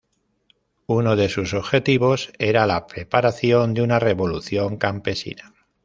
Uno de sus objetivos era la preparación de una revolución campesina.